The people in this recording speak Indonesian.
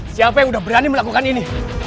siapa yang sudah berani melakukan ini